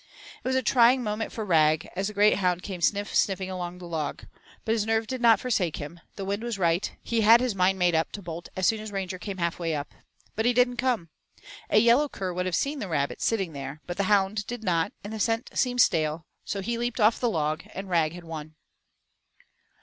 It was a trying moment for Rag, as the great hound came sniff sniffing along the log. But his nerve did not forsake him; the wind was right; he had his mind made up to bolt as soon as Ranger came half way up. But he didn't come. A yellow cur would have seen the rabbit sitting there, but the hound did not, and the scent seemed stale, so he leaped off the log, and Rag had won.